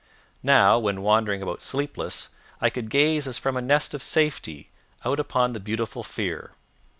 Now, when wandering about sleepless, I could gaze as from a nest of safety out upon the beautiful fear.